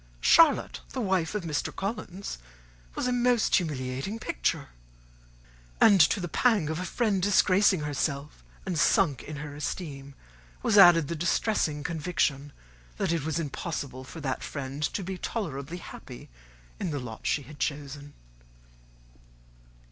Charlotte, the wife of Mr. Collins, was a most humiliating picture! And to the pang of a friend disgracing herself, and sunk in her esteem, was added the distressing conviction that it was impossible for that friend to be tolerably happy in the lot she had chosen.